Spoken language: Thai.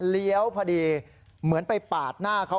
เลี้ยวพอดีเหมือนไปปาดหน้าเขา